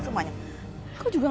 pantes aja kak fanny